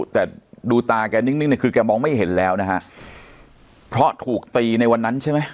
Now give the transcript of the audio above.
แต่ดูตาแกนิ่งเนี่ยคือแกมองไม่เห็นแล้วนะฮะเพราะถูกตีในวันนั้นใช่ไหม